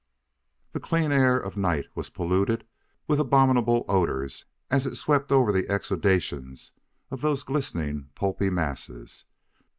The clean air of night was polluted with abominable odors as it swept over the exudations of those glistening, pulpy masses.